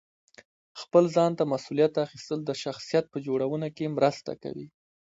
خپل ځان ته مسؤلیت اخیستل د شخصیت په جوړونه کې مرسته کوي.